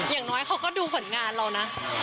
อย่างน้อยเขาก็ดูผลงานเรานะ